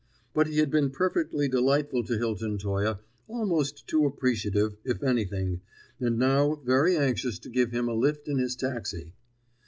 But he had been perfectly delightful to Hilton Toye, almost too appreciative, if anything, and now very anxious to give him a lift in his taxi.